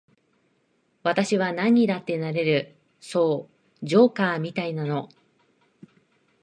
私はなんにだってなれる、そう、ジョーカーみたいなの。